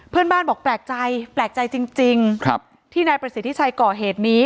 เพื่อนบ้านบอกแปลกใจแปลกใจจริงครับที่นายประสิทธิชัยก่อเหตุนี้